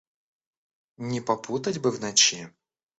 Не попутать бы в ночи.